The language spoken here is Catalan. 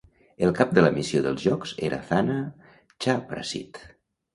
El cap de la missió dels jocs era Thana Chaiprasit.